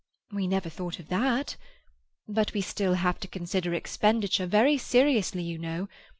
We never thought of that. But we still have to consider expenditure very seriously, you know.